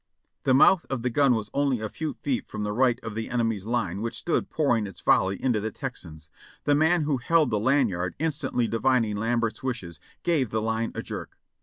The mouth of the gun was only a few feet from the right of the enemy's line which stood pouring its volley into the Texans. The man who held the lanyard, instantly divining Lambert's wishes, gave the line a jerk.